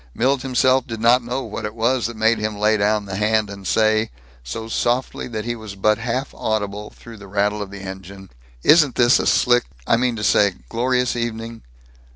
Milt himself did not know what it was that made him lay down the hand and say, so softly that he was but half audible through the rattle of the engine: "Isn't this a slick, mean to say glorious evening?